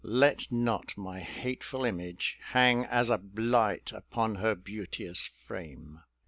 Let not my hateful image hang as a blight upon her beauteous frame."